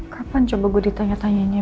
kapan coba gue ditanya tanyanya